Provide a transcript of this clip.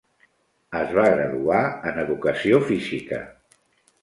Es va graduar en educació física.